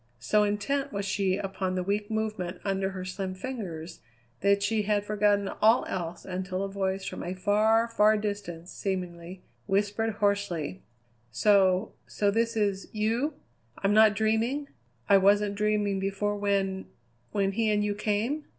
So intent was she upon the weak movement under her slim fingers that she had forgotten all else until a voice from a far, far distance seemingly, whispered hoarsely: "So so this is you? I'm not dreaming? I wasn't dreaming before when when he and you came?"